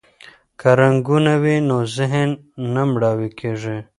که رنګونه وي نو ذهن نه مړاوی کیږي.